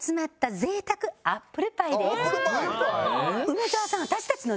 梅沢さん。